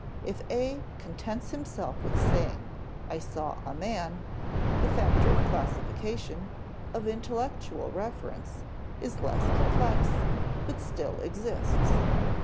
If A contents himself with saying, "I saw a man," the factor of classification, of intellectual reference, is less complex, but still exists.